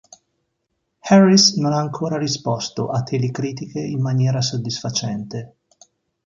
Harris non ha ancora risposto a teli critiche in maniera soddisfacente.